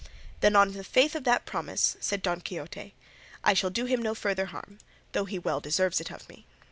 "Then, on the faith of that promise," said Don Quixote, "I shall do him no further harm, though he well deserves it of me."